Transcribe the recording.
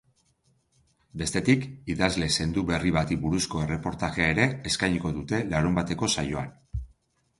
Bestetik, idazle zendu berri bati buruzko erreportajea ere eskainiko dute larunbateko saioan.